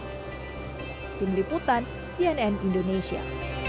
penelitian liputan cnn indonesia